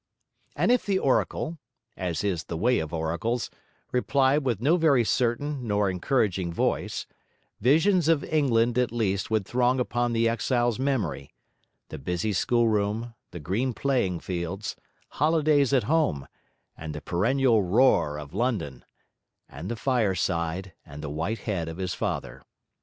And if the oracle (as is the way of oracles) replied with no very certain nor encouraging voice, visions of England at least would throng upon the exile's memory: the busy schoolroom, the green playing fields, holidays at home, and the perennial roar of London, and the fireside, and the white head of his father.